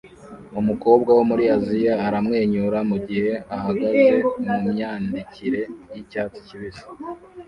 Umukobwa wo muri Aziya aramwenyura mugihe ahagaze mumyandikire yicyatsi kibisi